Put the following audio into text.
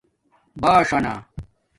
بلݽانہ